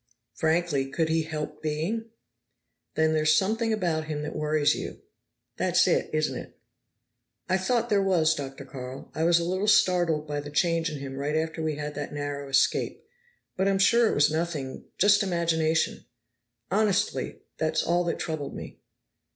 "Frankly, could he help being?" "Then there's something about him that worries you. That's it, isn't it?" "I thought there was, Dr. Carl. I was a little startled by the change in him right after we had that narrow escape, but I'm sure it was nothing just imagination. Honestly, that's all that troubled me."